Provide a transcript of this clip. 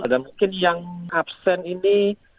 dan mungkin yang absen ini